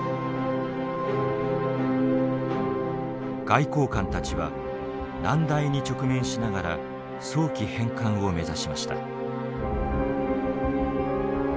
外交官たちは難題に直面しながら早期返還を目指しました。